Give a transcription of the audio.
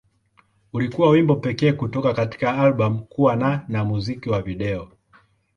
Ulikuwa wimbo pekee kutoka katika albamu kuwa na na muziki wa video.